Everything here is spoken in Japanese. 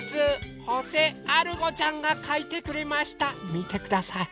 みてください！